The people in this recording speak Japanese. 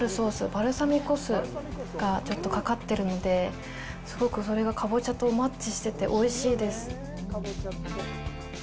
バルサミコ酢がちょっとかかってるので、すごくそれがカボチャとマッチしてて、おいしいです。